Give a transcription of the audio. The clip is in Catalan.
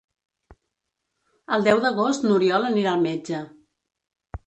El deu d'agost n'Oriol anirà al metge.